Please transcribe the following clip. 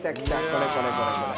これこれこれこれ。